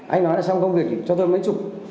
anh nói là xong công việc thì cho tôi mấy chục